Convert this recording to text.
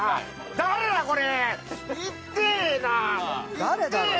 誰だこれ。